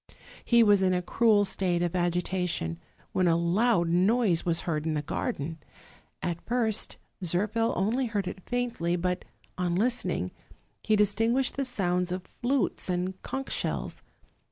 He was in a cruel state of agitation, when a loud noise was heard in the garden. At first Zirphil only heard it faintly; but, on listening, he dis tinguished the sounds of flutes and conch shells.